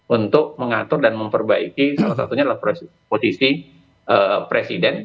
untuk mengatur dan memperbaiki salah satunya adalah posisi presiden